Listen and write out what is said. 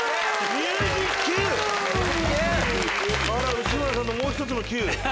内村さんのもう１つのＱ。